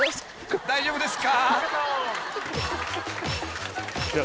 大丈夫ですか？］